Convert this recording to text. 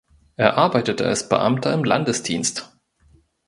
Er arbeitete als Beamter im Landesdienst.